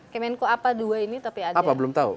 kemenko apa dua ini tapi ada yang belum tahu